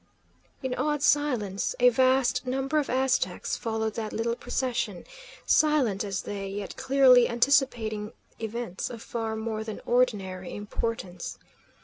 In awed silence a vast number of Aztecs followed that little procession, silent as they, yet clearly anticipating events of far more than ordinary importance.